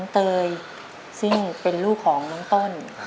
เตยซึ่งเป็นลูกของน้องต้น